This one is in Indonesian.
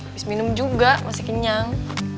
habis minum juga masih kenyang